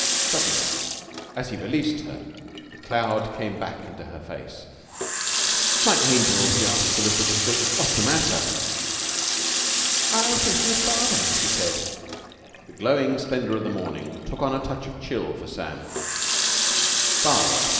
Suddenly, as he released her, the cloud came back into her face. "My angel," he asked solicitously, "what's the matter?" "I was thinking of father," she said. The glowing splendour of the morning took on a touch of chill for Sam. "Father!"